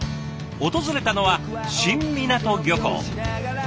訪れたのは新湊漁港。